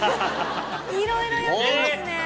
いろいろやってますね。